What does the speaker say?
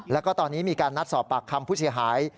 แล้วก็ตอนนี้มีการนัดสอบปากคำผู้เสียหาย